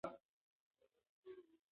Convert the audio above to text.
زما په دوستۍ باور نه درلود.